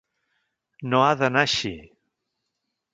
No ha d’anar així!